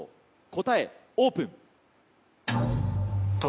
答えオープン。